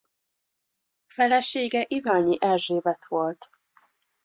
Felesége Iványi Erzsébet volt.